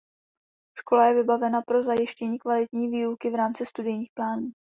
Škola je vybavena pro zajištění kvalitní výuky v rámci studijních plánů.